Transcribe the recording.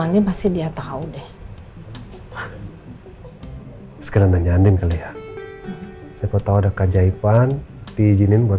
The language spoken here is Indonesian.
andin pasti dia tahu deh sekarang nanya andin kali ya siapa tahu ada kajaiban diijinin buat